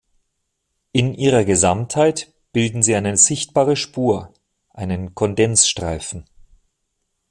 In ihrer Gesamtheit bilden sie eine sichtbare Spur, einen Kondensstreifen.